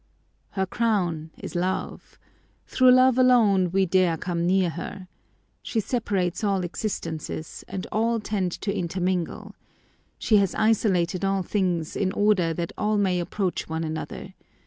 Her crown is love. Through love alone dare we come near her. She separates all existences, and all tend to intermingle. She has isolated all things in order that all may approach one another.